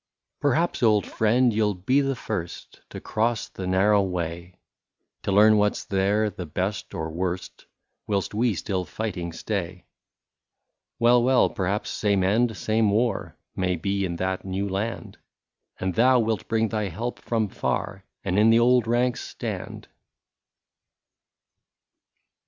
Perhaps, old friend, you '11 be the first To cross the narrow way ; To learn what 's there, the best or worst. Whilst we still fighting stay. Well, well, perhaps, same end, same war. May be in that new land ; And thou wilt bring thy help from far, And in the old ranks stand.